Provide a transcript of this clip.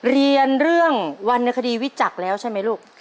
เรียนเรื่องวรรณคดีวิจักรแล้วใช่ไหมลูก